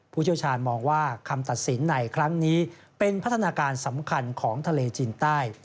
เชี่ยวชาญมองว่าคำตัดสินในครั้งนี้เป็นพัฒนาการสำคัญของทะเลจีนใต้